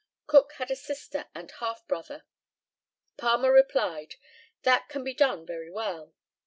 Cook had a sister and half brother. Palmer replied, "That can be done very well."